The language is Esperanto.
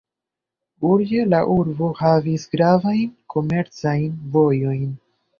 Urĝe la urbo havis gravajn komercajn vojojn.